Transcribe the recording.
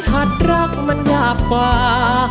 รักมันยากกว่า